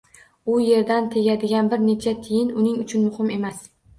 U yerdan tegadigan bir necha tiyin uning uchun muhim emas.